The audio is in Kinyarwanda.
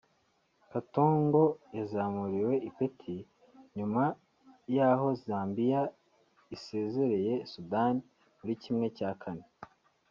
Katongo yazamuriwe ipeti nyuma y’aho Zambiya isezerereye Sudani muri kimwe cya kane